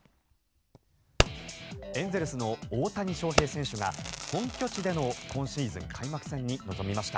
エンゼルスの大谷翔平選手が本拠地での今シーズン開幕戦に臨みました。